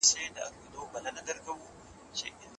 ځکه چي دا په طبیعي لحاظ ممکنه خبره نه ده.